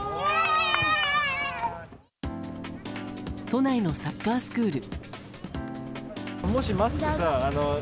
都内のサッカースクール。